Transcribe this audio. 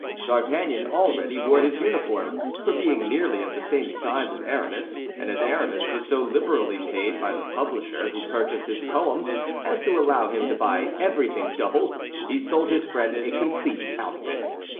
D'Artagnan already wore his uniform—for being nearly of the same size as Aramis, and as Aramis was so liberally paid by the publisher who purchased his poem as to allow him to buy everything double, he sold his friend a complete outfit.